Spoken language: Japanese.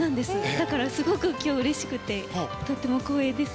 だから、すごく今日うれしくてとても光栄です。